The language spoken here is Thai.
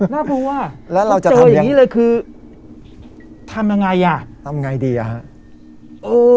น่ากลัวแล้วเราจะเจออย่างนี้เลยคือทำยังไงอ่ะทำไงดีอ่ะฮะเออ